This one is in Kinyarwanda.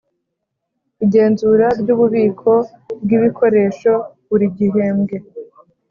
Igenzura ry ububiko bw ibikoresho buri gihembwe